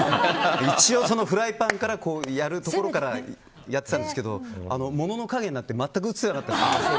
一応フライパンからやるところからやってたんですけど物の影になって全く映らなかった。